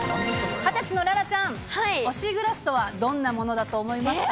２０歳の楽々ちゃん、推しグラスとはどんなものだと思いますか？